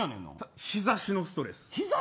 日差しのストレス。